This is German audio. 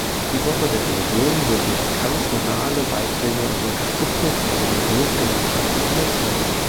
Die Woche der Religionen wird durch kantonale Beiträge und die Unterstützung von Religionsgemeinschaften finanziert.